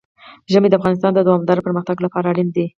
ژمی د افغانستان د دوامداره پرمختګ لپاره اړین دي.